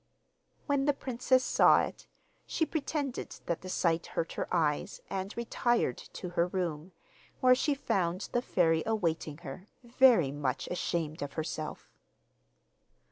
When the princess saw it, she pretended that the sight hurt her eyes, and retired to her room, where she found the fairy awaiting her, very much ashamed of herself.